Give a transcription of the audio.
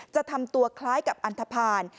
จะทำตัวคล้ายกับอันทภาณ